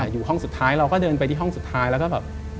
อยู่ห้องสุดท้ายเราก็เดินไปที่ห้องสุดท้ายแล้วก็แบบ